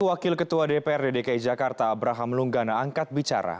wakil ketua dprd dki jakarta abraham lunggana angkat bicara